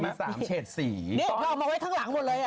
นี่เขาเอามาไว้ทั้งหลังหมดเลย